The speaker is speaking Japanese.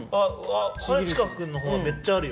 兼近君の方はめっちゃあるよ。